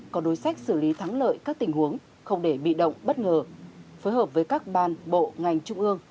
có đối sách xử lý thắng lợi các tình huống không để bị động bất ngờ phối hợp với các ban bộ ngành trung ương